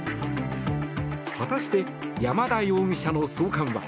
果たして、山田容疑者の送還は。